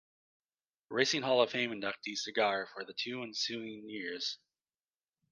Racing Hall of Fame inductee Cigar for the two ensuing years.